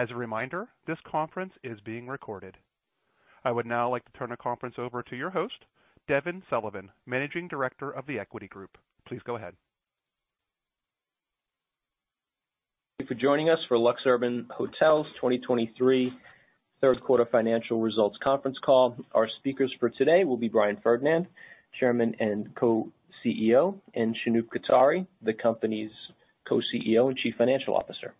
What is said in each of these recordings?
As a reminder, this conference is being recorded. I would now like to turn the conference over to your host, Devin Sullivan, Managing Director of The Equity Group. Please go ahead. Thank you for joining us for LuxUrban Hotels' 2023 third-quarter financial results conference call. Our speakers for today will be Brian Ferdinand, Chairman and Co-CEO, and Shanoop Kothari, the company's Co-CEO and Chief Financial Officer.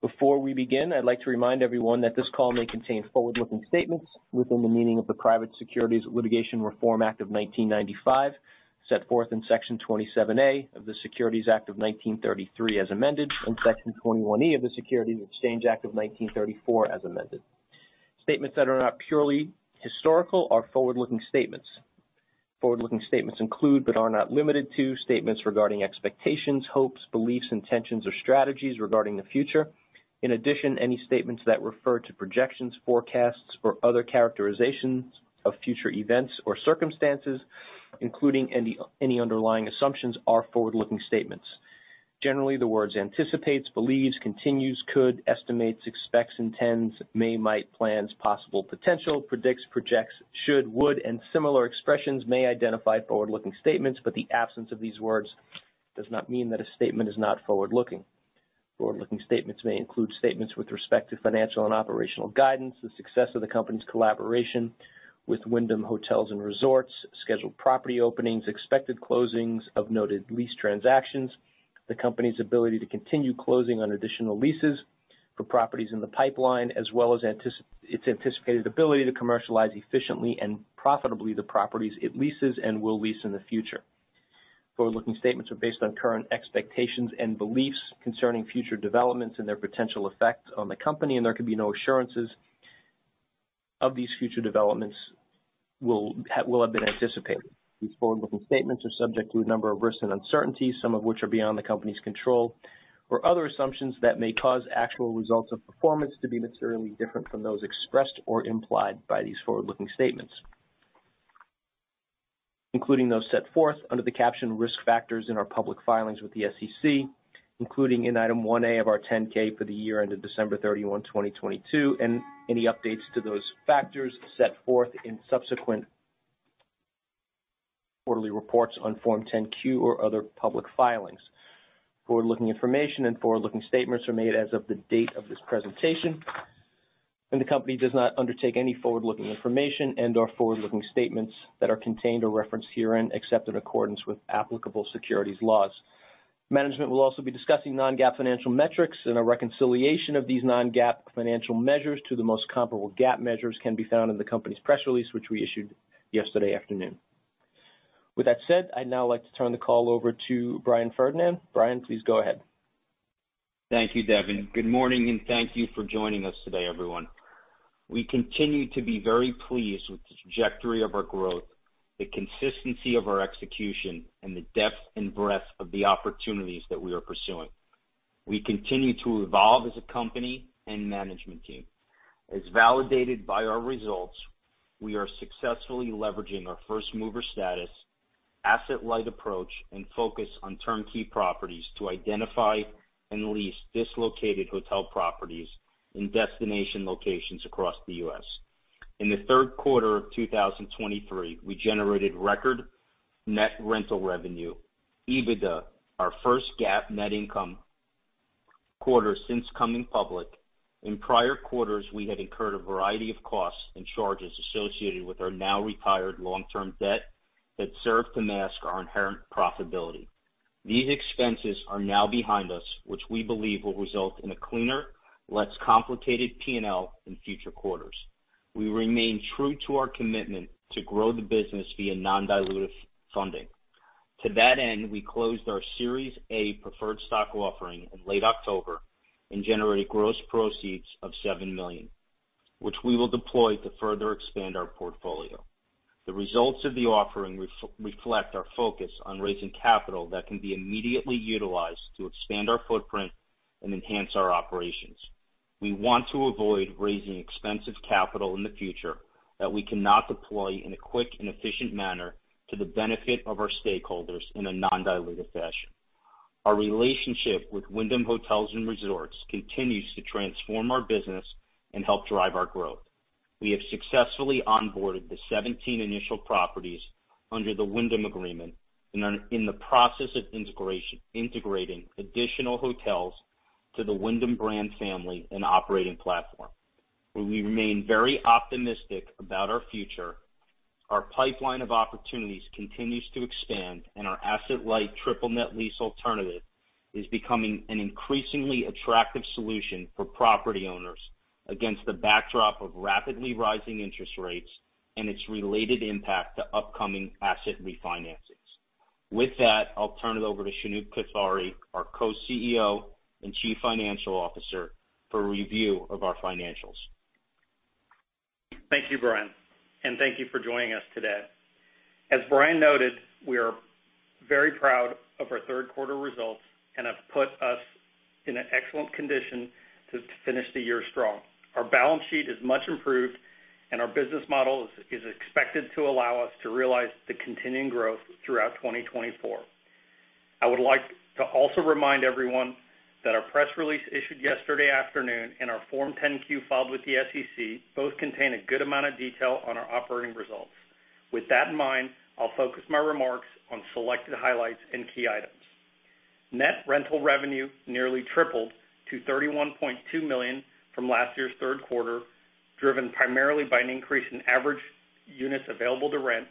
Before we begin, I'd like to remind everyone that this call may contain forward-looking statements within the meaning of the Private Securities Litigation Reform Act of 1995, set forth in Section 27A of the Securities Act of 1933, as amended, and Section 21E of the Securities Exchange Act of 1934, as amended. Statements that are not purely historical are forward-looking statements. Forward-looking statements include, but are not limited to, statements regarding expectations, hopes, beliefs, intentions, or strategies regarding the future. In addition, any statements that refer to projections, forecasts, or other characterizations of future events or circumstances, including any underlying assumptions, are forward-looking statements. Generally, the words anticipates, believes, continues, could, estimates, expects, intends, may, might, plans, possible, potential, predicts, projects, should, would, and similar expressions may identify forward-looking statements, but the absence of these words does not mean that a statement is not forward-looking. Forward-looking statements may include statements with respect to financial and operational guidance, the success of the company's collaboration with Wyndham Hotels and Resorts, scheduled property openings, expected closings of noted lease transactions, the company's ability to continue closing on additional leases for properties in the pipeline, as well as its anticipated ability to commercialize efficiently and profitably the properties it leases and will lease in the future. Forward-looking statements are based on current expectations and beliefs concerning future developments and their potential effects on the company, and there can be no assurances of these future developments will have been anticipated. These forward-looking statements are subject to a number of risks and uncertainties, some of which are beyond the company's control, or other assumptions that may cause actual results of performance to be materially different from those expressed or implied by these forward-looking statements, including those set forth under the captioned risk factors in our public filings with the SEC, including in Item 1A of our 10-K for the year ended December 31, 2022, and any updates to those factors set forth in subsequent quarterly reports on Form 10-Q or other public filings. Forward-looking information and forward-looking statements are made as of the date of this presentation, and the company does not undertake any forward-looking information and/or forward-looking statements that are contained or referenced herein, except in accordance with applicable securities laws. Management will also be discussing non-GAAP financial metrics, and a reconciliation of these non-GAAP financial measures to the most comparable GAAP measures can be found in the company's press release, which we issued yesterday afternoon. With that said, I'd now like to turn the call over to Brian Ferdinand. Brian, please go ahead. Thank you, Devin. Good morning, and thank you for joining us today, everyone. We continue to be very pleased with the trajectory of our growth, the consistency of our execution, and the depth and breadth of the opportunities that we are pursuing. We continue to evolve as a company and management team. As validated by our results, we are successfully leveraging our first-mover status, asset-light approach, and focus on turnkey properties to identify and lease dislocated hotel properties in destination locations across the U.S. In the third quarter of 2023, we generated record net rental revenue, EBITDA, our first GAAP net income quarter since coming public. In prior quarters, we had incurred a variety of costs and charges associated with our now-retired long-term debt that served to mask our inherent profitability. These expenses are now behind us, which we believe will result in a cleaner, less complicated P&L in future quarters. We remain true to our commitment to grow the business via non-dilutive funding. To that end, we closed our Series A preferred stock offering in late October and generated gross proceeds of $7 million, which we will deploy to further expand our portfolio. The results of the offering reflect our focus on raising capital that can be immediately utilized to expand our footprint and enhance our operations. We want to avoid raising expensive capital in the future that we cannot deploy in a quick and efficient manner to the benefit of our stakeholders in a non-dilutive fashion. Our relationship with Wyndham Hotels & Resorts continues to transform our business and help drive our growth. We have successfully onboarded the 17 initial properties under the Wyndham agreement and are in the process of integration, integrating additional hotels to the Wyndham brand family and operating platform, where we remain very optimistic about our future. Our pipeline of opportunities continues to expand, and our asset-light triple net lease alternative is becoming an increasingly attractive solution for property owners against the backdrop of rapidly rising interest rates and its related impact to upcoming asset refinancings. With that, I'll turn it over to Shanoop Kothari, our Co-CEO and Chief Financial Officer, for a review of our financials. Thank you, Brian, and thank you for joining us today. As Brian noted, we are very proud of our third quarter results and have put us in an excellent condition to finish the year strong. Our balance sheet is much improved, and our business model is expected to allow us to realize the continuing growth throughout 2024. I would like to also remind everyone that our press release issued yesterday afternoon and our Form 10-Q filed with the SEC, both contain a good amount of detail on our operating results. With that in mind, I'll focus my remarks on selected highlights and key items. Net rental revenue nearly tripled to $31.2 million from last year's third quarter, driven primarily by an increase in average units available to rent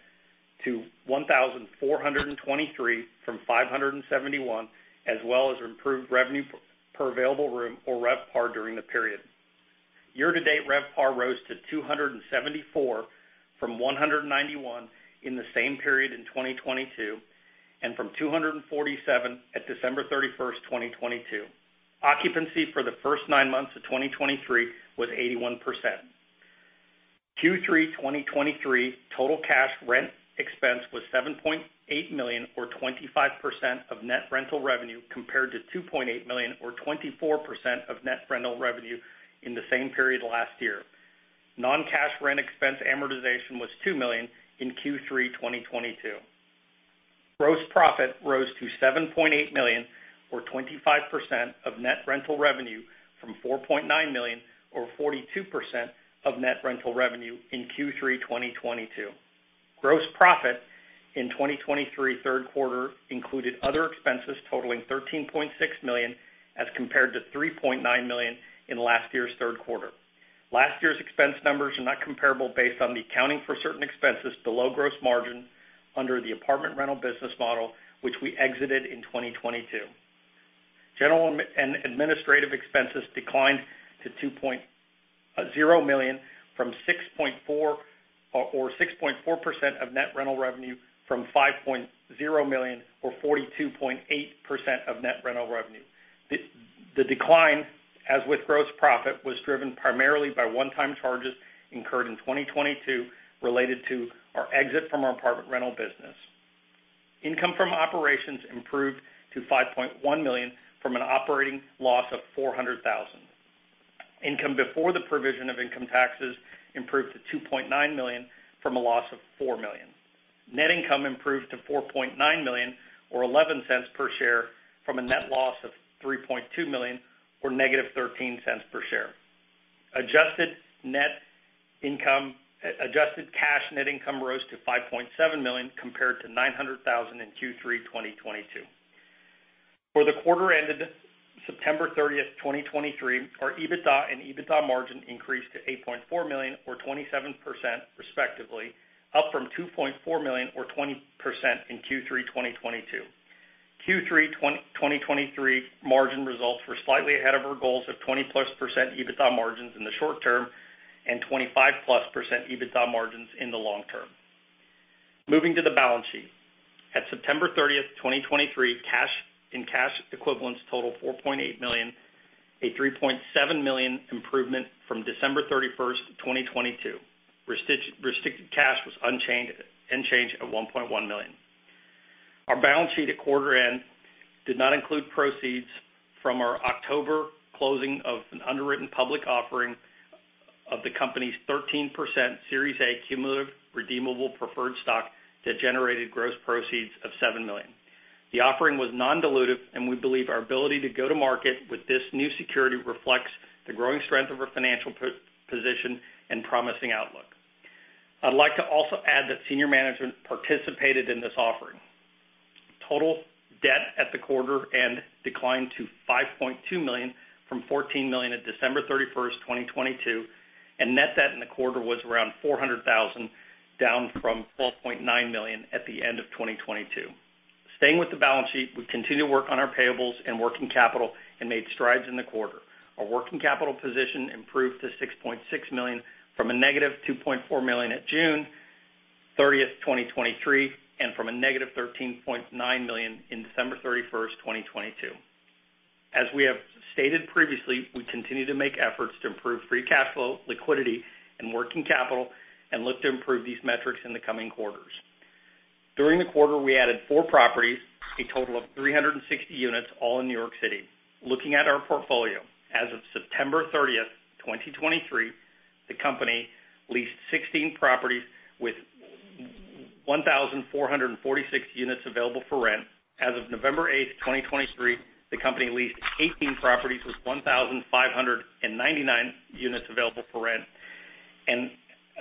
to 1,423 from 571, as well as improved revenue per available room or RevPAR during the period. Year-to-date, RevPAR rose to 274 from 191 in the same period in 2022, and from 247 at December 31, 2022. Occupancy for the first nine months of 2023 was 81%. Q3 2023, total cash rent expense was $7.8 million, or 25% of net rental revenue, compared to $2.8 million or 24% of net rental revenue in the same period last year. Non-cash rent expense amortization was $2 million in Q3 2022. Gross profit rose to $7.8 million, or 25% of net rental revenue, from $4.9 million, or 42% of net rental revenue in Q3 2022. Gross profit in 2023 third quarter included other expenses totaling $13.6 million, as compared to $3.9 million in last year's third quarter. Last year's expense numbers are not comparable based on the accounting for certain expenses below gross margin under the apartment rental business model, which we exited in 2022. General and administrative expenses declined to $2.0 million from $6.4, or 6.4% of net rental revenue from $5.0 million, or 42.8% of net rental revenue. The decline, as with gross profit, was driven primarily by one-time charges incurred in 2022 related to our exit from our apartment rental business. Income from operations improved to $5.1 million from an operating loss of $400,000. Income before the provision of income taxes improved to $2.9 million from a loss of $4 million. Net income improved to $4.9 million, or $0.11 per share, from a net loss of $3.2 million, or -$0.13 per share. Adjusted net income, adjusted cash net income rose to $5.7 million, compared to $900,000 in Q3 2022. For the quarter ended September 30, 2023, our EBITDA and EBITDA margin increased to $8.4 million or 27% respectively, up from $2.4 million or 20% in Q3 2022. Q3 2023 margin results were slightly ahead of our goals of 20+% EBITDA margins in the short term and 25+% EBITDA margins in the long term. Moving to the balance sheet. At September 30, 2023, cash and cash equivalents total $4.8 million, a $3.7 million improvement from December 31, 2022. Restricted cash was unchanged at $1.1 million. Our balance sheet at quarter end did not include proceeds from our October closing of an underwritten public offering of the company's 13% Series A Cumulative Redeemable Preferred Stock that generated gross proceeds of $7 million. The offering was non-dilutive, and we believe our ability to go to market with this new security reflects the growing strength of our financial position and promising outlook. I'd like to also add that senior management participated in this offering. Total debt at the quarter end declined to $5.2 million from $14 million at December 31, 2022, and net debt in the quarter was around $400,000, down from $12.9 million at the end of 2022. Staying with the balance sheet, we continue to work on our payables and working capital and made strides in the quarter. Our working capital position improved to $6.6 million from a negative $2.4 million at June 30, 2023, and from a negative $13.9 million in December 31, 2022. As we have stated previously, we continue to make efforts to improve free cash flow, liquidity, and working capital and look to improve these metrics in the coming quarters. During the quarter, we added four properties, a total of 360 units, all in New York City. Looking at our portfolio, as of September 30, 2023, the company leased 16 properties with 1,446 units available for rent. As of November 8, 2023, the company leased 18 properties with 1,599 units available for rent. And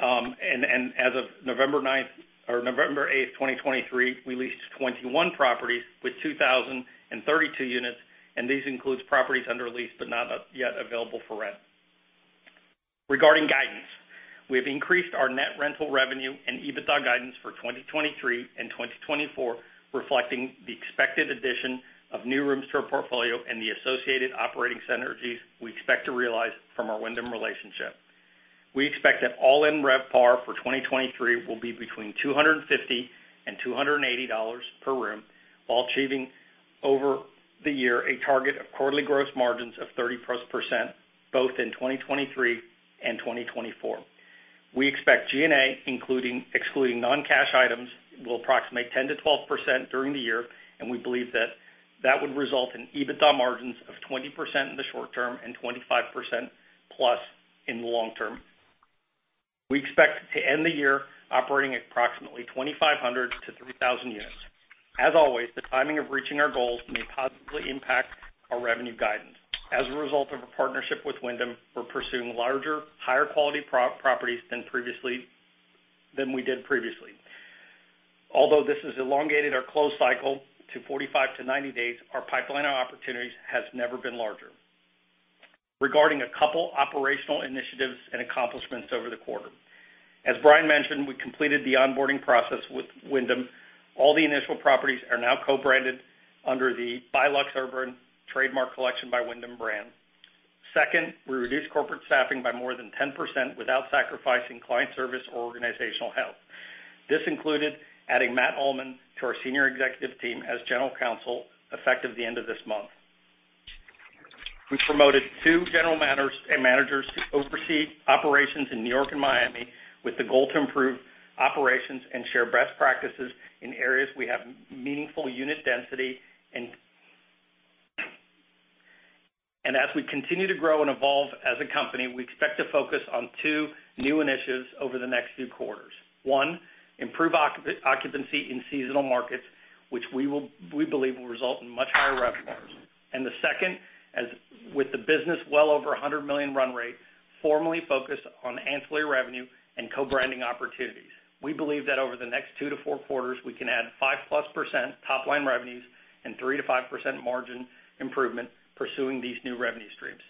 as of November 9 or November 8, 2023, we leased 21 properties with 2,032 units, and these includes properties under lease but not yet available for rent. Regarding guidance, we have increased our net rental revenue and EBITDA guidance for 2023 and 2024, reflecting the expected addition of new rooms to our portfolio and the associated operating synergies we expect to realize from our Wyndham relationship. We expect that all-in RevPAR for 2023 will be between $250 and $280 per room, while achieving over the year a target of quarterly gross margins of 30%+, both in 2023 and 2024. We expect G&A, including excluding non-cash items, will approximate 10%-12% during the year, and we believe that that would result in EBITDA margins of 20% in the short term and 25%+ in the long term. We expect to end the year operating approximately 2,500-3,000 units. As always, the timing of reaching our goals may positively impact our revenue guidance. As a result of a partnership with Wyndham, we're pursuing larger, higher quality properties than previously, than we did previously. Although this has elongated our close cycle to 45-90 days, our pipeline of opportunities has never been larger. Regarding a couple operational initiatives and accomplishments over the quarter. As Brian mentioned, we completed the onboarding process with Wyndham. All the initial properties are now co-branded under the by LuxUrban Trademark Collection by Wyndham brand. Second, we reduced corporate staffing by more than 10% without sacrificing client service or organizational health. This included adding Matt Ullman to our senior executive team as General Counsel, effective the end of this month. We promoted two general managers to oversee operations in New York and Miami, with the goal to improve operations and share best practices in areas we have meaningful unit density. As we continue to grow and evolve as a company, we expect to focus on two new initiatives over the next few quarters. One, improve occupancy in seasonal markets, which we believe will result in much higher revenues. And the second, as with the business well over $100 million run rate, formally focus on ancillary revenue and co-branding opportunities. We believe that over the next two to four quarters, we can add 5%+ top line revenues and 3%-5% margin improvement pursuing these new revenue streams.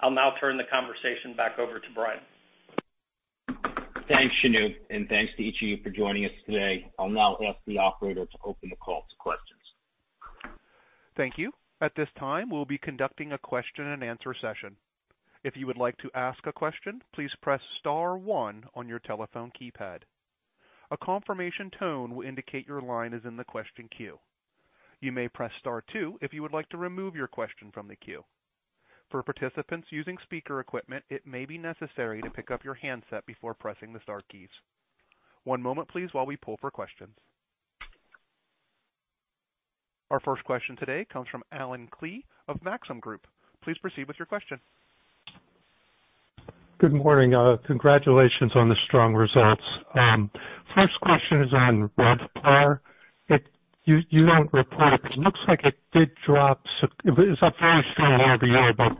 I'll now turn the conversation back over to Brian. Thanks, Shanoop, and thanks to each of you for joining us today. I'll now ask the operator to open the call to questions. Thank you. At this time, we'll be conducting a question-and-answer session. If you would like to ask a question, please press star one on your telephone keypad. A confirmation tone will indicate your line is in the question queue. You may press star two if you would like to remove your question from the queue. For participants using speaker equipment, it may be necessary to pick up your handset before pressing the star keys. One moment, please, while we pull for questions. Our first question today comes from Allen Klee of Maxim Group. Please proceed with your question. Good morning. Congratulations on the strong results. First question is on RevPAR. You, you don't report it, but it looks like it did drop. It was a very strong year, but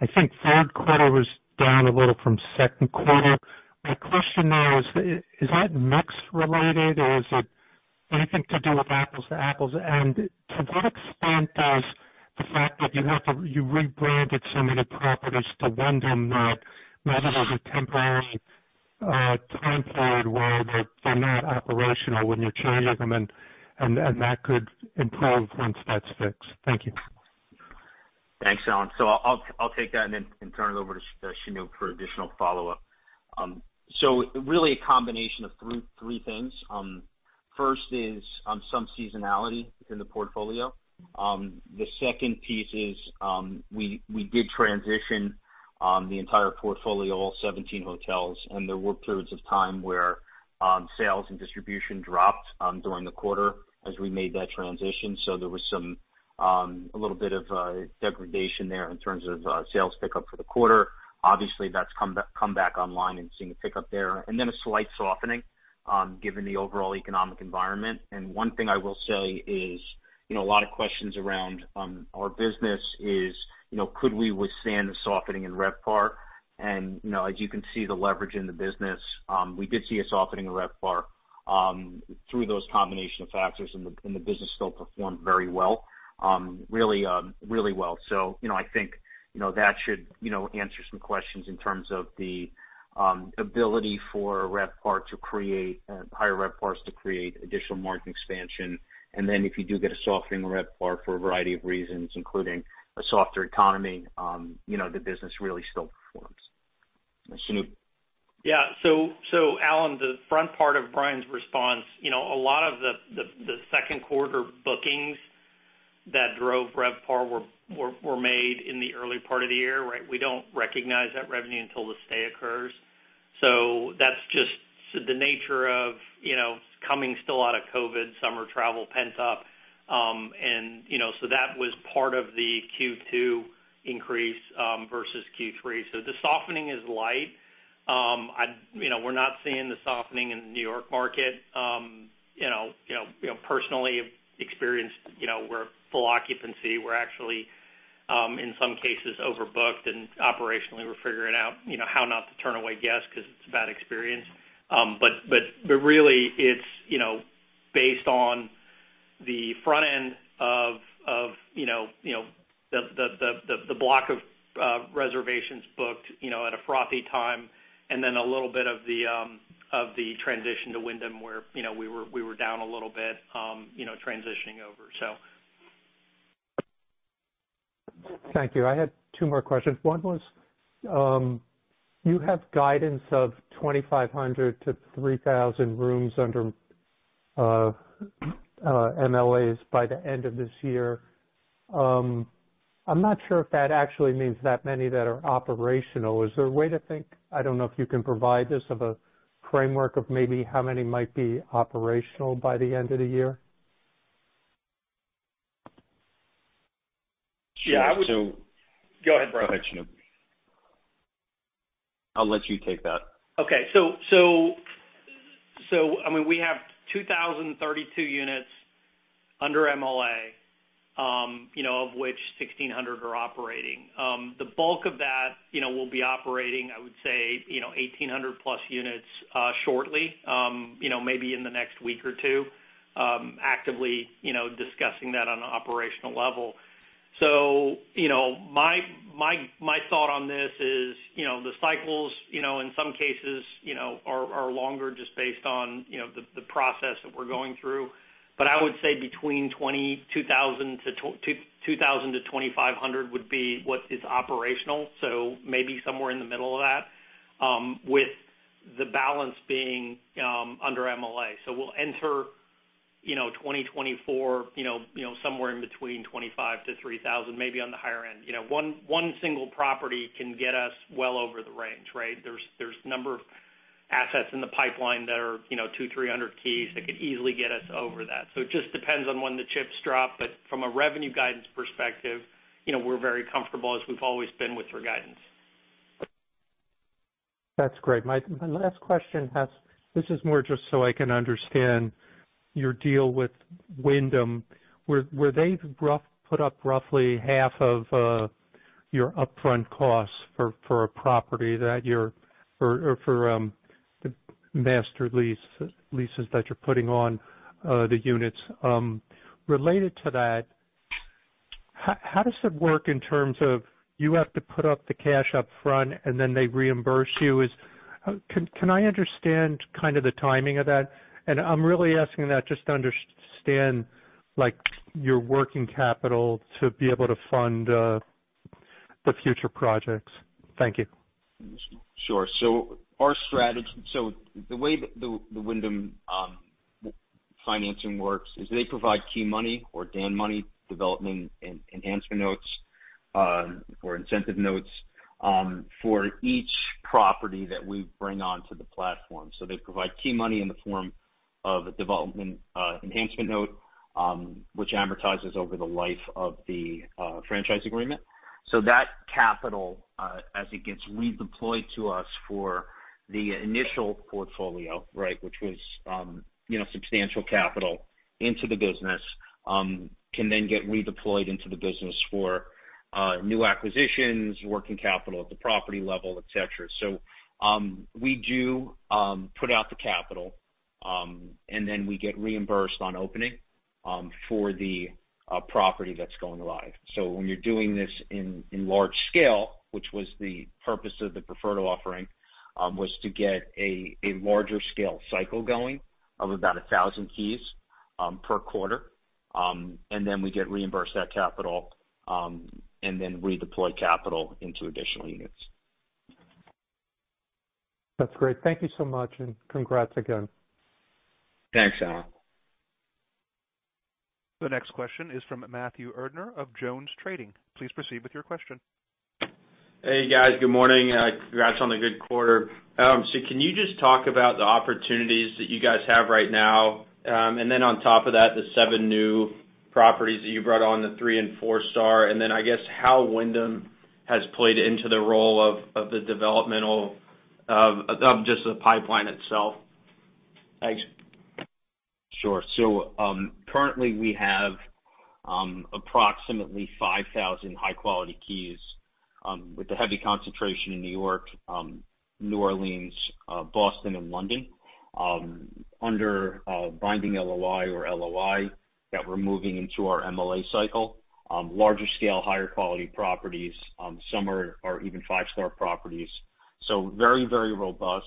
I think third quarter was down a little from second quarter. My question now is, is that mix related, or is it anything to do with apples to apples? And to what extent does the fact that you have to you rebranded so many properties to Wyndham, whether there's a temporary time period where they're not operational when you're changing them and that could improve once that's fixed? Thank you. Thanks, Allen. So I'll take that and then turn it over to Shanoop for additional follow-up. So really a combination of three things. First is some seasonality within the portfolio. The second piece is we did transition the entire portfolio, all 17 hotels, and there were periods of time where sales and distribution dropped during the quarter as we made that transition. So there was some a little bit of degradation there in terms of sales pickup for the quarter. Obviously, that's come back online and seeing a pickup there. And then a slight softening given the overall economic environment. And one thing I will say is, you know, a lot of questions around our business is, you know, could we withstand the softening in RevPAR? You know, as you can see, the leverage in the business, we did see a softening in RevPAR through those combination of factors, and the business still performed very well, really, really well. So, you know, I think, you know, that should, you know, answer some questions in terms of the ability for RevPAR to create higher RevPARs to create additional margin expansion. And then if you do get a softening RevPAR for a variety of reasons, including a softer economy, you know, the business really still performs. Shanoop? Yeah. So Allen, the front part of Brian's response, you know, a lot of the second quarter bookings that drove RevPAR were made in the early part of the year, right? We don't recognize that revenue until the stay occurs. So that's just the nature of, you know, coming still out of COVID, summer travel pent up. You know, so that was part of the Q2 increase versus Q3. So the softening is light. You know, we're not seeing the softening in the New York market. You know, personally experienced, you know, we're full occupancy. We're actually in some cases overbooked, and operationally, we're figuring out, you know, how not to turn away guests because it's a bad experience. But really, it's, you know, based on the front end of the block of reservations booked, you know, at a frothy time, and then a little bit of the transition to Wyndham, where, you know, we were down a little bit, you know, transitioning over, so. Thank you. I had two more questions. One was, you have guidance of 2,500-3,000 rooms under MLAs by the end of this year. I'm not sure if that actually means that many that are operational. Is there a way to think, I don't know if you can provide this, of a framework of maybe how many might be operational by the end of the year?... Yeah, I would- Go ahead, bro. Go ahead, Shanoop. I'll let you take that. Okay. So, I mean, we have 2,032 units under MLA, you know, of which 1,600 are operating. The bulk of that, you know, will be operating, I would say, you know, 1,800+ units, shortly, you know, maybe in the next week or two, actively, you know, discussing that on an operational level. So, you know, my thought on this is, you know, the cycles, you know, in some cases, you know, are longer just based on, you know, the process that we're going through. But I would say between 2,000-2,500 would be what is operational, so maybe somewhere in the middle of that, with the balance being under MLA. So we'll enter, you know, 2024, you know, you know, somewhere in between 25-3,000, maybe on the higher end. You know, one single property can get us well over the range, right? There's a number of assets in the pipeline that are, you know, 200-300 keys that could easily get us over that. So it just depends on when the chips drop. But from a revenue guidance perspective, you know, we're very comfortable, as we've always been, with our guidance. That's great. My last question has. This is more just so I can understand your deal with Wyndham. Where they've roughly put up roughly half of your upfront costs for a property that you're, or for the master lease, leases that you're putting on the units. Related to that, how does it work in terms of you have to put up the cash up front, and then they reimburse you? Can I understand kind of the timing of that? And I'm really asking that just to understand, like, your working capital to be able to fund the future projects. Thank you. Sure. So the way the Wyndham financing works is they provide key money or DEN money, development enhancement notes, or incentive notes, for each property that we bring onto the platform. So they provide key money in the form of a development enhancement note, which amortizes over the life of the franchise agreement. So that capital, as it gets redeployed to us for the initial portfolio, right, which was, you know, substantial capital into the business, can then get redeployed into the business for new acquisitions, working capital at the property level, et cetera. So we do put out the capital, and then we get reimbursed on opening, for the property that's going live. When you're doing this in large scale, which was the purpose of the preferred offering, was to get a larger scale cycle going of about 1,000 keys per quarter, and then we get reimbursed that capital, and then redeploy capital into additional units. That's great. Thank you so much, and congrats again. Thanks, Allen. The next question is from Matthew Erdner of JonesTrading. Please proceed with your question. Hey, guys. Good morning. Congrats on the good quarter. So, can you just talk about the opportunities that you guys have right now? And then on top of that, the 7 new properties that you brought on, the three and four star, and then I guess how Wyndham has played into the role of the development of just the pipeline itself? Thanks. Sure. So, currently, we have approximately 5,000 high-quality keys with a heavy concentration in New York, New Orleans, Boston, and London under binding LOI or LOI that we're moving into our MLA cycle. Larger scale, higher quality properties, some are even five-star properties, so very, very robust.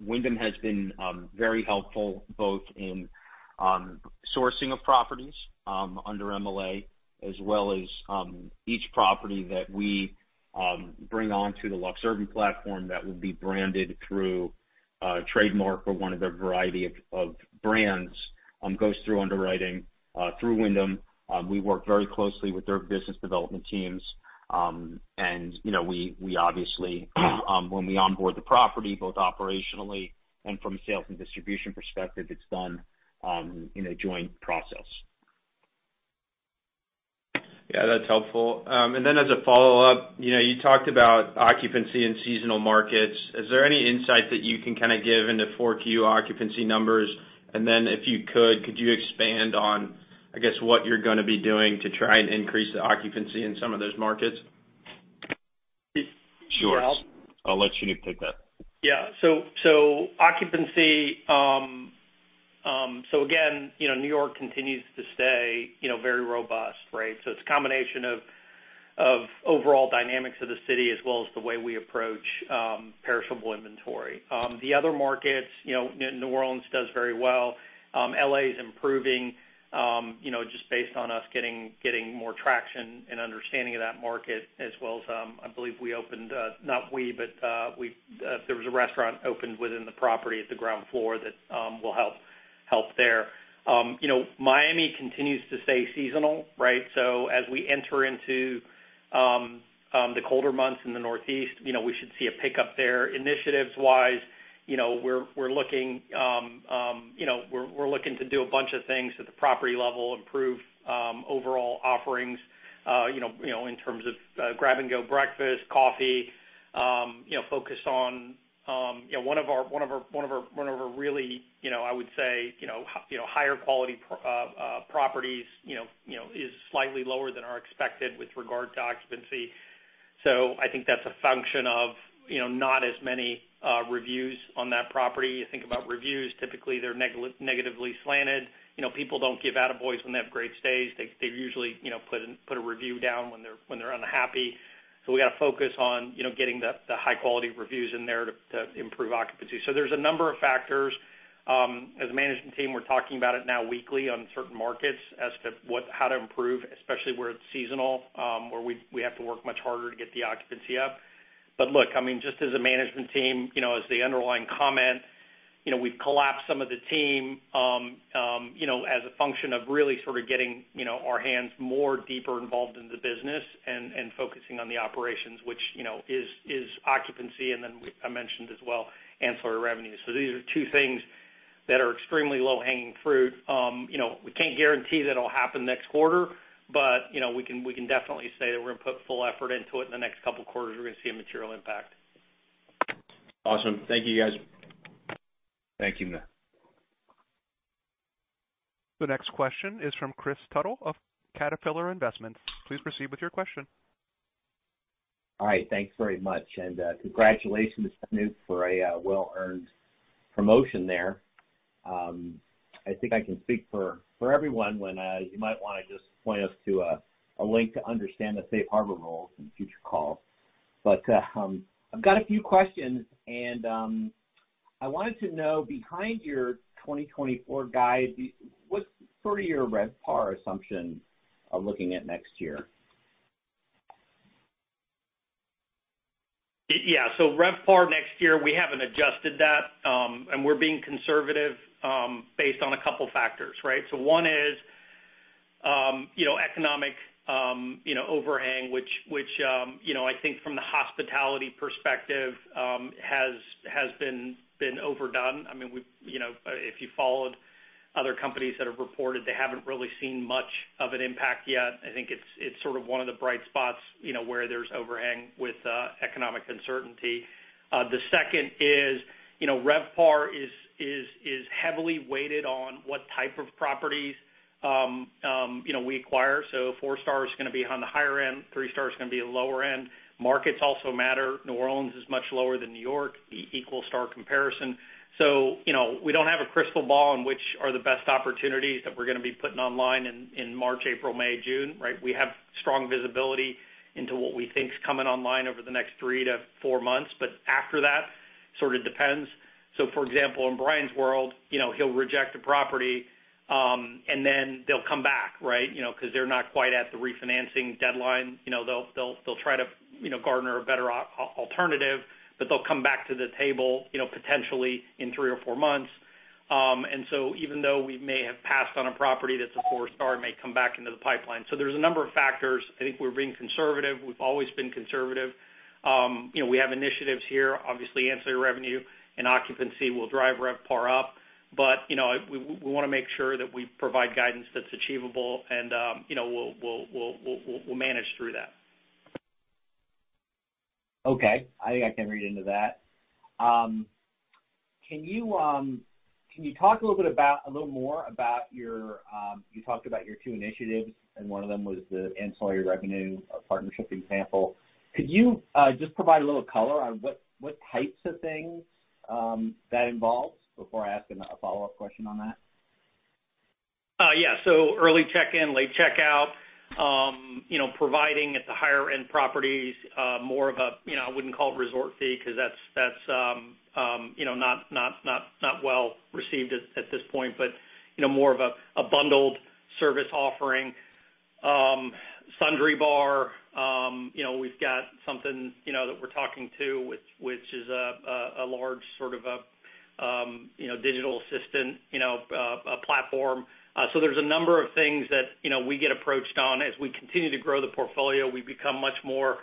Wyndham has been very helpful, both in sourcing of properties under MLA, as well as each property that we bring on to the LuxUrban platform that will be branded through a trademark or one of their variety of brands goes through underwriting through Wyndham. We work very closely with their business development teams. And, you know, we obviously, when we onboard the property, both operationally and from a sales and distribution perspective, it's done in a joint process. Yeah, that's helpful. And then as a follow-up, you know, you talked about occupancy and seasonal markets. Is there any insight that you can kind of give into 4Q occupancy numbers? And then if you could, could you expand on, I guess, what you're gonna be doing to try and increase the occupancy in some of those markets? Sure. I'll let Shanoop take that. Yeah. So occupancy, so again, you know, New York continues to stay, you know, very robust, right? So it's a combination of the overall dynamics of the city as well as the way we approach perishable inventory. The other markets, you know, New Orleans does very well. L.A. is improving, you know, just based on us getting more traction and understanding of that market, as well as I believe, not we, but there was a restaurant opened within the property at the ground floor that will help there. You know, Miami continues to stay seasonal, right? So as we enter into the colder months in the Northeast, you know, we should see a pickup there. Initiatives-wise, you know, we're looking to do a bunch of things at the property level, improve overall offerings, you know, in terms of grab-and-go breakfast, coffee, you know, focus on one of our really, you know, I would say, you know, higher quality properties is slightly lower than our expected with regard to occupancy. So I think that's a function of, you know, not as many reviews on that property. You think about reviews, typically, they're negatively slanted. You know, people don't give attaboys when they have great stays. They usually, you know, put a review down when they're unhappy. So we gotta focus on, you know, getting the high-quality reviews in there to improve occupancy. So there's a number of factors. As a management team, we're talking about it now weekly on certain markets as to how to improve, especially where it's seasonal, where we have to work much harder to get the occupancy up. But look, I mean, just as a management team, you know, as the underlying comment, you know, we've collapsed some of the team, you know, as a function of really sort of getting, you know, our hands more deeper involved in the business and focusing on the operations, which, you know, is occupancy, and then I mentioned as well, ancillary revenues. So these are two things that are extremely low-hanging fruit. You know, we can't guarantee that it'll happen next quarter, but, you know, we can, we can definitely say that we're gonna put full effort into it, and the next couple of quarters, we're gonna see a material impact. Awesome. Thank you, guys. Thank you. The next question is from Kris Tuttle of Caterpillar Investments. Please proceed with your question. All right, thanks very much, and, congratulations, Shanoop, for a, well-earned promotion there. I think I can speak for, for everyone when, you might wanna just point us to a, a link to understand the safe harbor rules in future calls. But, I've got a few questions, and, I wanted to know, behind your 2024 guide, what's your RevPAR assumption are looking at next year? Yeah. So RevPAR next year, we haven't adjusted that, and we're being conservative, based on a couple factors, right? So one is, you know, economic, you know, overhang, which, you know, I think from the hospitality perspective, has been overdone. I mean, we, you know, if you followed other companies that have reported, they haven't really seen much of an impact yet. I think it's, it's sort of one of the bright spots, you know, where there's overhang with, economic uncertainty. The second is, you know, RevPAR is, is, heavily weighted on what type of properties, you know, we acquire. So four star is gonna be on the higher end, three star is gonna be a lower end. Markets also matter. New Orleans is much lower than New York, equal star comparison. So, you know, we don't have a crystal ball on which are the best opportunities that we're gonna be putting online in March, April, May, June, right? We have strong visibility into what we think is coming online over the next three to four months, but after that, sort of depends. So for example, in Brian's world, you know, he'll reject a property, and then they'll come back, right? You know, because they're not quite at the refinancing deadline. You know, they'll try to garner a better alternative, but they'll come back to the table, you know, potentially in three to four months. And so even though we may have passed on a property that's a four-star, it may come back into the pipeline. So there's a number of factors. I think we're being conservative. We've always been conservative. You know, we have initiatives here. Obviously, ancillary revenue and occupancy will drive RevPAR up, but, you know, we wanna make sure that we provide guidance that's achievable and, you know, we'll manage through that. Okay. I think I can read into that. Can you talk a little bit about a little more about your two initiatives, and one of them was the ancillary revenue, a partnership example. Could you just provide a little color on what types of things that involves before I ask a follow-up question on that? Yeah. So early check-in, late check-out, you know, providing at the higher end properties, more of a, you know, I wouldn't call it resort fee, because that's, you know, not well received at this point, but, you know, more of a bundled service offering. Sundry Bar, you know, we've got something, you know, that we're talking to, which is a large sort of, you know, digital assistant, you know, a platform. So there's a number of things that, you know, we get approached on. As we continue to grow the portfolio, we become much more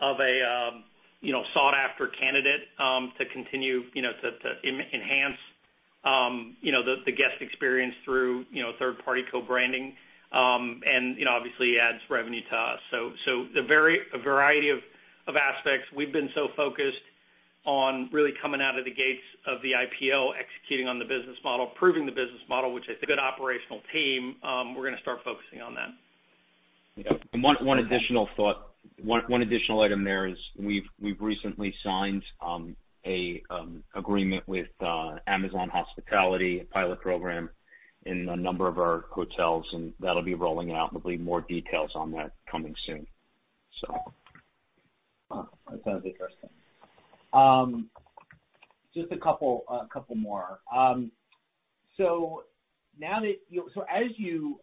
of a, you know, sought-after candidate, to continue, you know, to enhance, you know, the guest experience through, you know, third-party co-branding, and, you know, obviously adds revenue to us. A variety of aspects. We've been so focused on really coming out of the gates of the IPO, executing on the business model, proving the business model, which I think good operational team, we're gonna start focusing on that. One additional thought. One additional item there is we've recently signed an agreement with Amazon Hospitality, a pilot program in a number of our hotels, and that'll be rolling out, and there'll be more details on that coming soon. So... That sounds interesting. Just a couple, a couple more. So now that, you know, so as you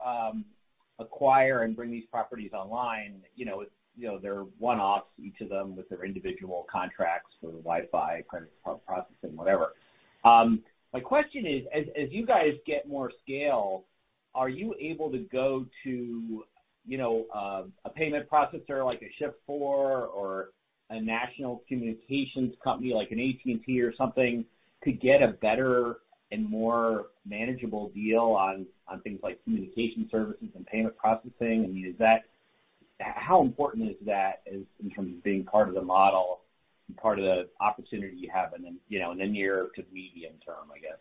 acquire and bring these properties online, you know, you know, they're one-offs, each of them with their individual contracts for the Wi-Fi, credit card processing, whatever. My question is, as, as you guys get more scale... Are you able to go to, you know, a payment processor like a Shift4 or a national communications company like an AT&T or something, to get a better and more manageable deal on, on things like communication services and payment processing? I mean, is that—how important is that as in terms of being part of the model and part of the opportunity you have in the, you know, in the near to medium term, I guess?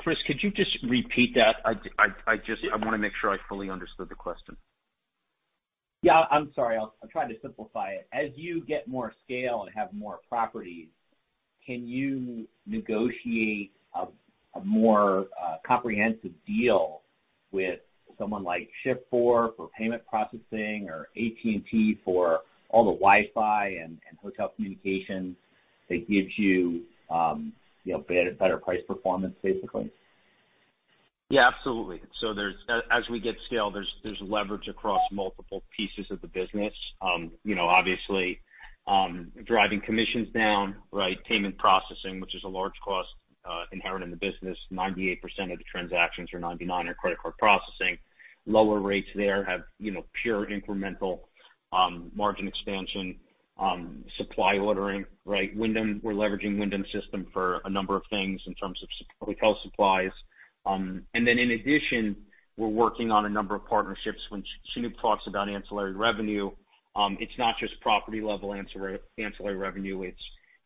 Kris, could you just repeat that? I just wanna make sure I fully understood the question. Yeah, I'm sorry. I'll, I'll try to simplify it. As you get more scale and have more properties, can you negotiate a more comprehensive deal with someone like Shift4 for payment processing or AT&T for all the Wi-Fi and hotel communications that gives you, you know, better, better price performance, basically? Yeah, absolutely. So there's—as we get scale, there's leverage across multiple pieces of the business. You know, obviously, driving commissions down, right? Payment processing, which is a large cost, inherent in the business. 98% of the transactions or 99, are credit card processing. Lower rates there have, you know, pure incremental, margin expansion, supply ordering, right? Wyndham, we're leveraging Wyndham system for a number of things in terms of hotel supplies. And then in addition, we're working on a number of partnerships. When Shanoop talks about ancillary revenue, it's not just property-level ancillary revenue,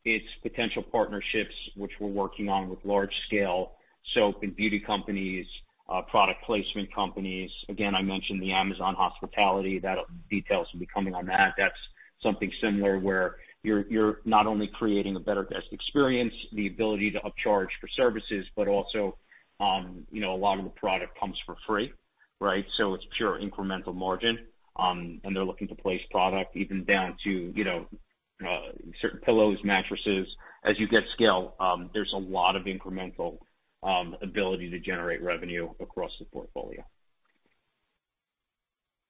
it's potential partnerships, which we're working on with large-scale soap and beauty companies, product placement companies. Again, I mentioned the Amazon Hospitality. That'll details will be coming on that. That's something similar where you're not only creating a better guest experience, the ability to upcharge for services, but also, you know, a lot of the product comes for free, right? So it's pure incremental margin. And they're looking to place product even down to, you know, certain pillows, mattresses. As you get scale, there's a lot of incremental ability to generate revenue across the portfolio.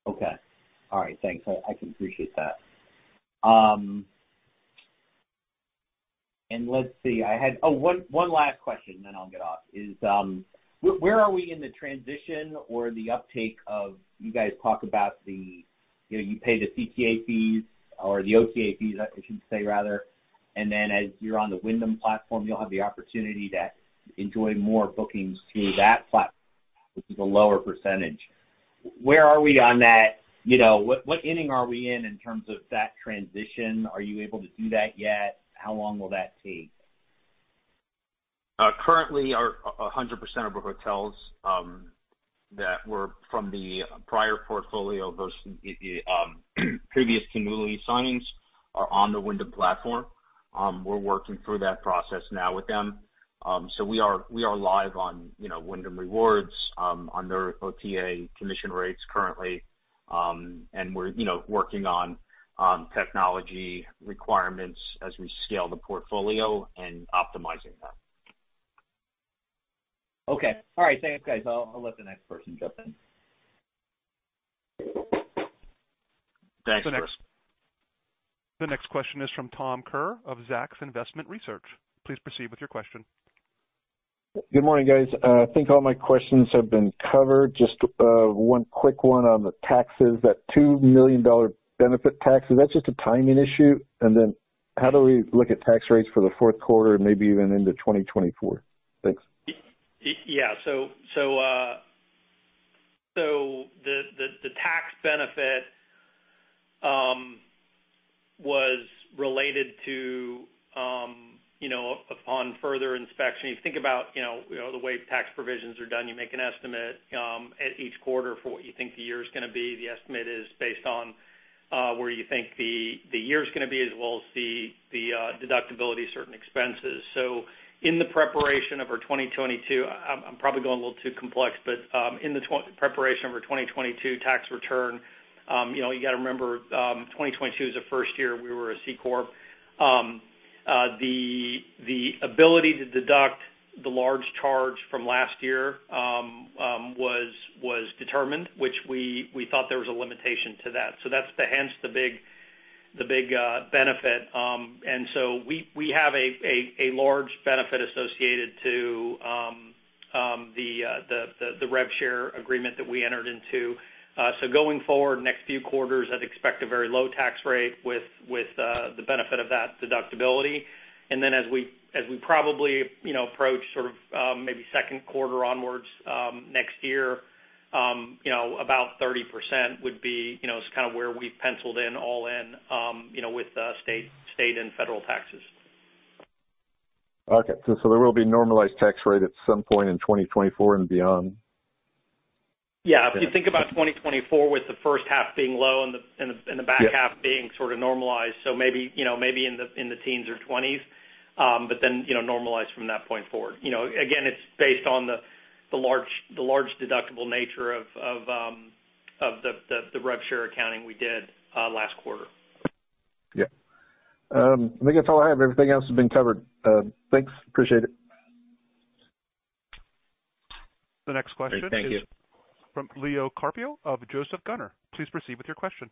Okay. All right, thanks. I can appreciate that. And let's see. Oh, one last question, then I'll get off, is where are we in the transition or the uptake of, you guys talk about the, you know, you pay the CTA fees or the OTA fees, I should say, rather, and then as you're on the Wyndham platform, you'll have the opportunity to enjoy more bookings through that platform, which is a lower percentage. Where are we on that? You know, what inning are we in, in terms of that transition? Are you able to see that yet? How long will that take? Currently, our 100% of our hotels that were from the prior portfolio versus the previous acquisition signings are on the Wyndham platform. We're working through that process now with them. So we are live on, you know, Wyndham Rewards, on their OTA commission rates currently. And we're, you know, working on technology requirements as we scale the portfolio and optimizing that. Okay. All right. Thanks, guys. I'll, I'll let the next person jump in. Thanks. The next question is from Tom Kerr of Zacks Investment Research. Please proceed with your question. Good morning, guys. I think all my questions have been covered. Just one quick one on the taxes. That $2 million benefit tax, is that just a timing issue? And then how do we look at tax rates for the fourth quarter and maybe even into 2024? Thanks. Yeah. So the tax benefit was related to, you know, upon further inspection, you think about, you know, the way tax provisions are done. You make an estimate at each quarter for what you think the year is gonna be. The estimate is based on where you think the year is gonna be, as well as the deductibility of certain expenses. So in the preparation of our 2022, I'm probably going a little too complex, but in the preparation of our 2022 tax return, you know, you got to remember, 2022 was the first year we were a C corp. The ability to deduct the large charge from last year was determined, which we thought there was a limitation to that. So that's hence the big benefit. And so we have a large benefit associated to the rev share agreement that we entered into. So going forward, next few quarters, I'd expect a very low tax rate with the benefit of that deductibility. And then as we probably, you know, approach sort of maybe second quarter onwards next year, you know, about 30% would be, you know, is kind of where we've penciled in all in, you know, with state and federal taxes. Okay. So, so there will be normalized tax rate at some point in 2024 and beyond? Yeah. Okay. If you think about 2024, with the first half being low and the- Yeah... back half being sort of normalized. So maybe, you know, maybe in the teens or twenties, but then, you know, normalized from that point forward. You know, again, it's based on the large deductible nature of the rev share accounting we did last quarter. Yeah. I think that's all I have. Everything else has been covered. Thanks, appreciate it.... The next question. Thank you. From Leo Carpio of Joseph Gunnar. Please proceed with your question.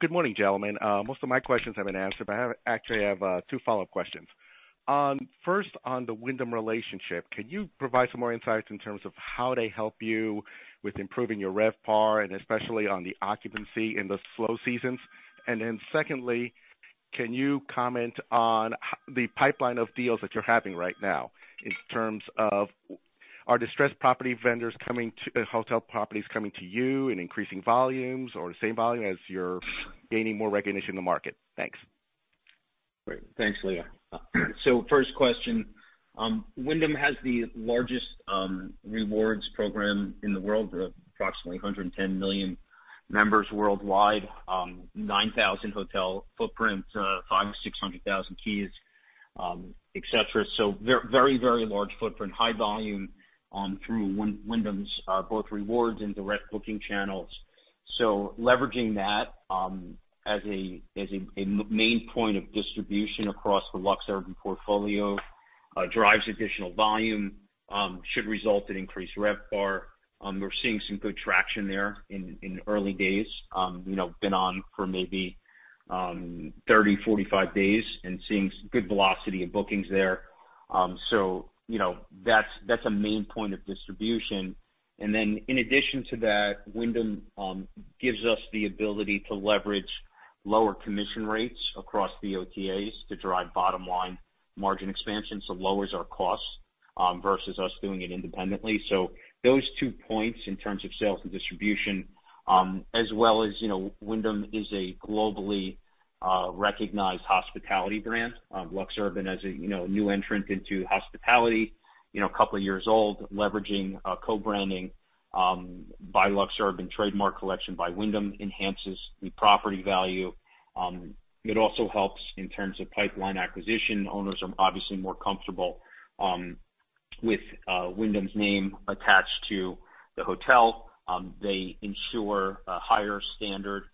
Good morning, gentlemen. Most of my questions have been answered, but I actually have two follow-up questions. First, on the Wyndham relationship, can you provide some more insight in terms of how they help you with improving your RevPAR, and especially on the occupancy in the slow seasons? And then secondly, can you comment on the pipeline of deals that you're having right now, in terms of, are distressed hotel properties coming to you in increasing volumes or the same volume as you're gaining more recognition in the market? Thanks. Great. Thanks, Leo. So first question, Wyndham has the largest rewards program in the world, with approximately 110 million members worldwide, 9,000 hotel footprint, 500,000-600,000 keys, et cetera. So very, very large footprint, high volume, through Wyndham's both rewards and direct booking channels. So leveraging that, as a main point of distribution across the LuxUrban portfolio, drives additional volume, should result in increased RevPAR. We're seeing some good traction there in early days. You know, been on for maybe 30-45 days and seeing good velocity in bookings there. So, you know, that's a main point of distribution. And then in addition to that, Wyndham gives us the ability to leverage lower commission rates across the OTAs to drive bottom line margin expansion, so lowers our costs versus us doing it independently. So those two points in terms of sales and distribution, as well as, you know, Wyndham is a globally recognized hospitality brand. LuxUrban as a, you know, new entrant into hospitality, you know, a couple of years old, leveraging co-branding by LuxUrban Trademark Collection by Wyndham enhances the property value. It also helps in terms of pipeline acquisition. Owners are obviously more comfortable with Wyndham's name attached to the hotel. They ensure a higher standard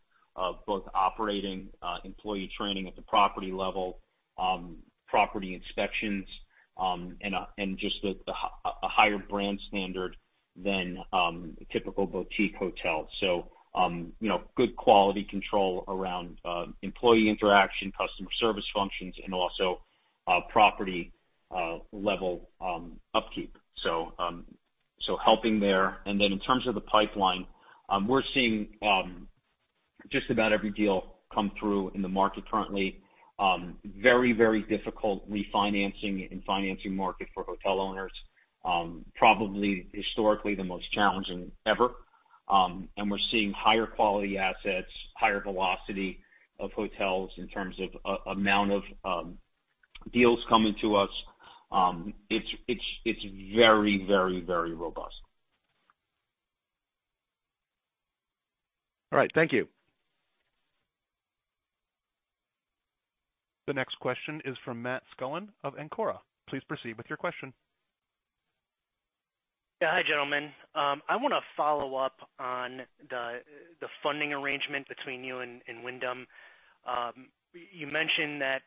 of both operating, employee training at the property level, property inspections, and just the, the higher brand standard than typical boutique hotels. So, you know, good quality control around employee interaction, customer service functions, and also property level upkeep. So, so helping there. And then in terms of the pipeline, we're seeing just about every deal come through in the market currently. Very, very difficult refinancing and financing market for hotel owners, probably historically, the most challenging ever. And we're seeing higher quality assets, higher velocity of hotels in terms of amount of deals coming to us. It's very, very, very robust. All right, thank you. The next question is from Matt Scullen of Ancora. Please proceed with your question. Yeah. Hi, gentlemen. I wanna follow up on the funding arrangement between you and Wyndham. You mentioned that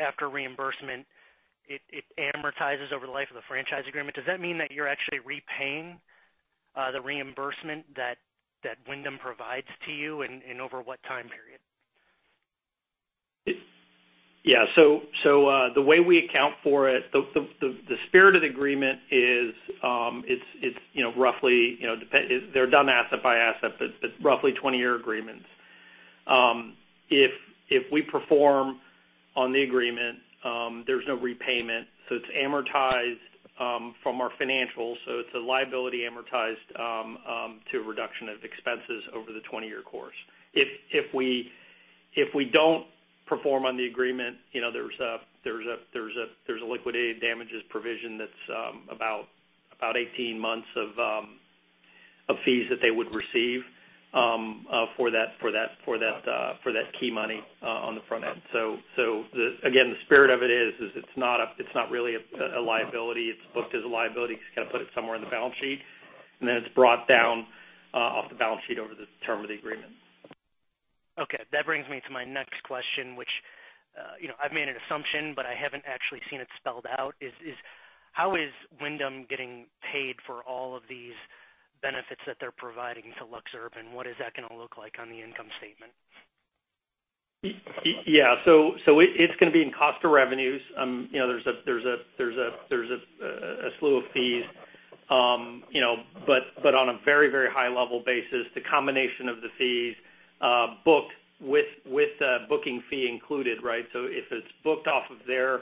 after reimbursement, it amortizes over the life of the franchise agreement. Does that mean that you're actually repaying the reimbursement that Wyndham provides to you, and over what time period? Yeah, so the way we account for it, the spirit of the agreement is, it's you know, roughly, you know, they're done asset by asset, but roughly 20-year agreements. If we perform on the agreement, there's no repayment, so it's amortized from our financials, so it's a liability amortized to a reduction of expenses over the 20-year course. If we don't perform on the agreement, you know, there's a liquidated damages provision that's about 18 months of fees that they would receive for that key money on the front end. So again, the spirit of it is, it's not really a liability. It's booked as a liability because you gotta put it somewhere on the balance sheet, and then it's brought down off the balance sheet over the term of the agreement. Okay, that brings me to my next question, which, you know, I've made an assumption, but I haven't actually seen it spelled out, is how is Wyndham getting paid for all of these benefits that they're providing to LuxUrban? What is that gonna look like on the income statement? Yeah, so it's gonna be in cost of revenues. You know, there's a slew of fees. You know, but on a very, very high level basis, the combination of the fees booked with a booking fee included, right? So if it's booked off of their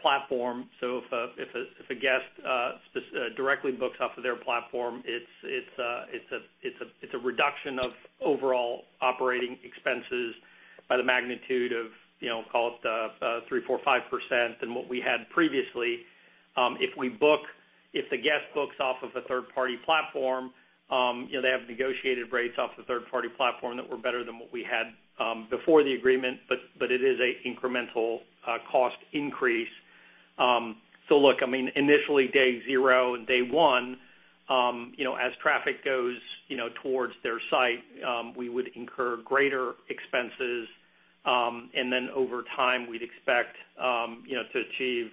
platform, so if a guest directly books off of their platform, it's a reduction of overall operating expenses by the magnitude of, you know, call it 3%-5% than what we had previously. If the guest books off of a third-party platform, you know, they have negotiated rates off the third-party platform that were better than what we had before the agreement, but it is an incremental cost increase. So look, I mean, initially, day zero and day one, you know, as traffic goes towards their site, we would incur greater expenses and then over time, we'd expect to achieve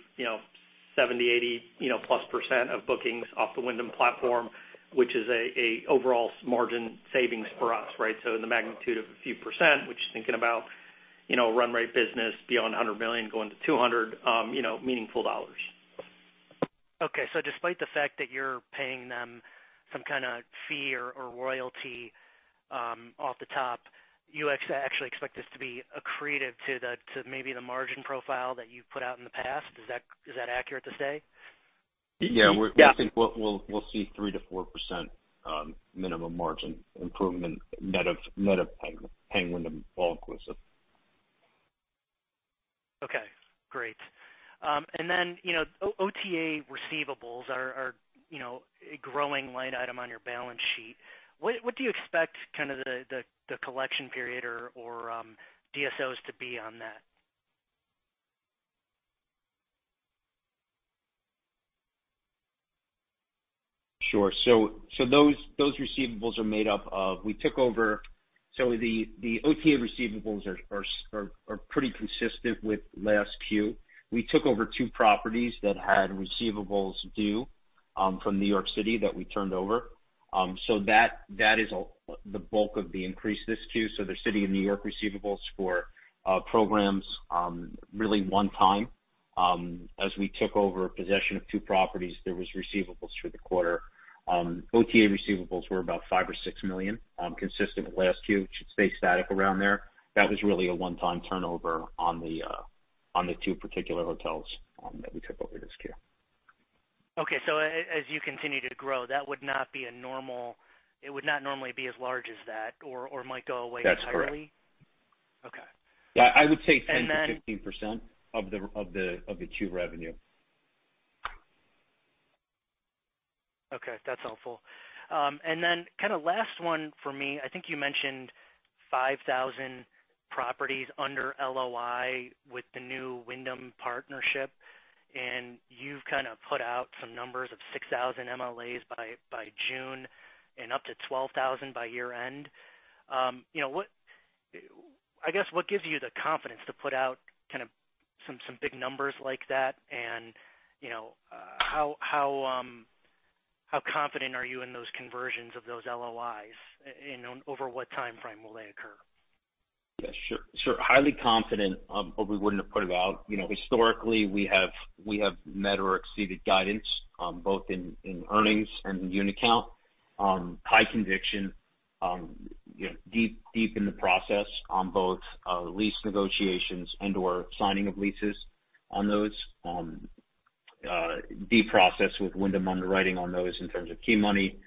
70, 80+% of bookings off the Wyndham platform, which is an overall margin savings for us, right? So in the magnitude of a few %, which is thinking about, you know, run rate business beyond $100 million, going to $200 million, you know, meaningful dollars. Okay, so despite the fact that you're paying them some kind of fee or royalty off the top, you actually expect this to be accretive to maybe the margin profile that you've put out in the past. Is that accurate to say? Yeah, we're- Yeah. I think we'll see 3%-4% minimum margin improvement, net of the pending Wyndham franchise. Okay, great. And then, you know, OTA receivables are, you know, a growing line item on your balance sheet. What do you expect kind of the collection period or DSOs to be on that? Sure. So those receivables are made up of. We took over. So the OTA receivables are pretty consistent with last Q. We took over two properties that had receivables due from New York City that we turned over. So that is the bulk of the increase this Q. So the City of New York receivables for programs are really one-time. As we took over possession of two properties, there were receivables for the quarter. OTA receivables were about $5 million-$6 million, consistent with last Q, should stay static around there. That was really a one-time turnover on the two particular hotels that we took over this Q. Okay, so as you continue to grow, that would not be normal. It would not normally be as large as that or, or might go away entirely? That's correct. Okay. Yeah, I would say- And then- 10%-15% of the Q revenue. Okay, that's helpful. And then kind of last one for me. I think you mentioned 5,000 properties under LOI with the new Wyndham partnership, and you've kind of put out some numbers of 6,000 MLAs by, by June and up to 12,000 by year-end. You know, what, I guess, what gives you the confidence to put out kind of some, some big numbers like that? And, you know, how confident are you in those conversions of those LOIs? And over what timeframe will they occur? Yeah, sure, sure. Highly confident, or we wouldn't have put it out. You know, historically, we have, we have met or exceeded guidance, both in, in earnings and in unit count. High conviction, you know, deep, deep in the process on both, lease negotiations and/or signing of leases on those. Deep process with Wyndham underwriting on those in terms of Key Money,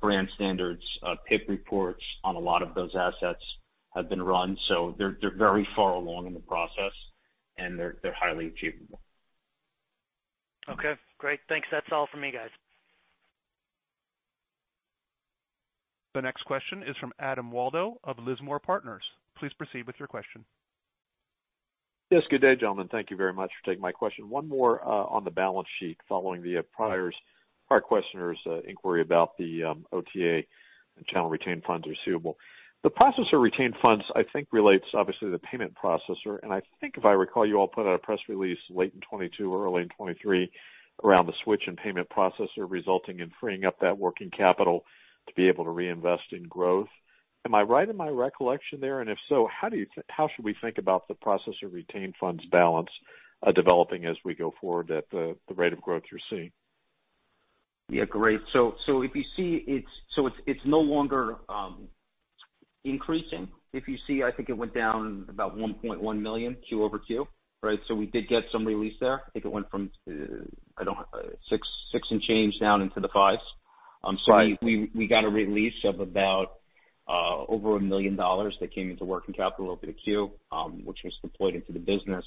brand standards, PIP reports on a lot of those assets have been run, so they're, they're highly achievable. Okay, great. Thanks. That's all from me, guys. The next question is from Adam Waldo of Lismore Partners. Please proceed with your question. Yes, good day, gentlemen. Thank you very much for taking my question. One more, on the balance sheet, following the prior's, prior questioner's inquiry about the OTA and channel retained funds receivable. The processor retained funds, I think, relates obviously to the payment processor, and I think if I recall, you all put out a press release late in 2022 or early in 2023 around the switch in payment processor, resulting in freeing up that working capital to be able to reinvest in growth. Am I right in my recollection there? And if so, how should we think about the processor retained funds balance developing as we go forward at the rate of growth you're seeing? Yeah, great. So if you see, it's no longer increasing. If you see, I think it went down about $1.1 million, Q-over-Q, right? So we did get some release there. I think it went from six, six and change down into the fives. So we got a release of about over $1 million that came into working capital over the Q, which was deployed into the business.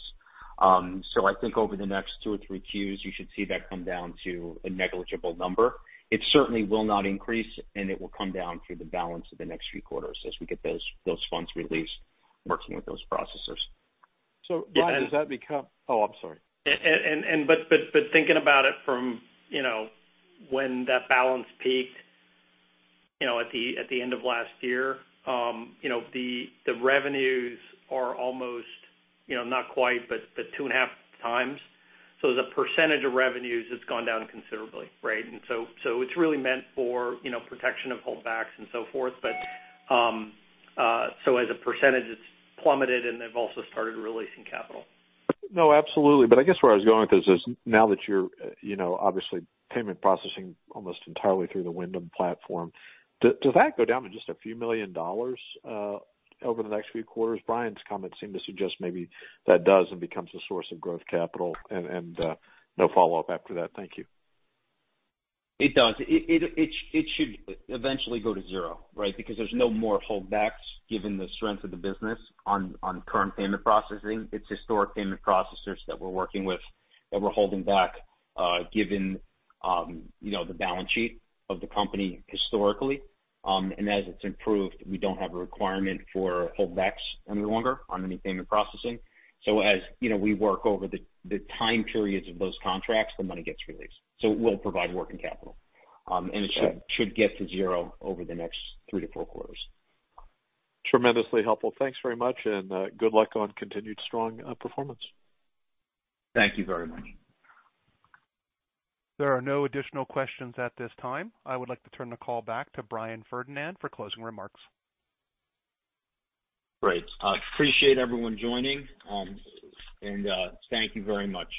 So I think over the next two or three Qs, you should see that come down to a negligible number. It certainly will not increase, and it will come down through the balance of the next few quarters as we get those funds released, working with those processors. Brian, does that become- Oh, I'm sorry. Thinking about it from, you know, when that balance peaked, you know, at the end of last year, you know, the revenues are almost, you know, not quite, but 2.5x. So as a percentage of revenues, it's gone down considerably, right? And so it's really meant for, you know, protection of holdbacks and so forth. But so as a percentage, it's plummeted, and they've also started releasing capital. No, absolutely. But I guess where I was going with this is, now that you're, you know, obviously, payment processing almost entirely through the Wyndham platform, does that go down to just a few million dollars over the next few quarters? Brian's comments seem to suggest maybe that does and becomes a source of growth capital and no follow-up after that. Thank you. It does. It should eventually go to zero, right? Because there's no more holdbacks given the strength of the business on current payment processing. It's historic payment processors that we're working with that we're holding back, given you know, the balance sheet of the company historically. And as it's improved, we don't have a requirement for holdbacks any longer on any payment processing. So as you know, we work over the time periods of those contracts, the money gets released. So it will provide working capital, and it should- Okay. should get to zero over the next three to four quarters. Tremendously helpful. Thanks very much, and good luck on continued strong performance. Thank you very much. There are no additional questions at this time. I would like to turn the call back to Brian Ferdinand for closing remarks. Great. I appreciate everyone joining, and thank you very much.